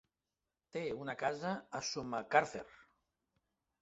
Té una casa a Sumacàrcer.